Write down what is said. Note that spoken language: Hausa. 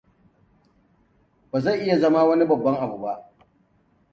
Ba zai iya zama wani babban abu ba.